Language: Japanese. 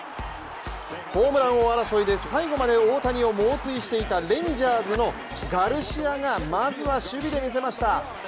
ホームラン王争いで最後まで大谷を猛追していたレンジャーズのガルシアがまずは守備で見せました。